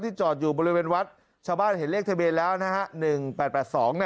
จอดอยู่บริเวณวัดชาวบ้านเห็นเลขทะเบียนแล้วนะฮะ๑๘๘๒